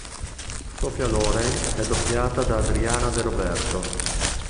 Sophia Loren è doppiata da Adriana De Roberto.